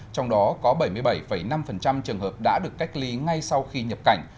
trong đó có bảy mươi bảy năm trường hợp đã được cách ly ngay sau khi nhập cảnh